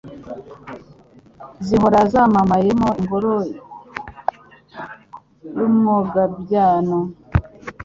Zihora zamamayemo Ingoro y' Umwogabyano.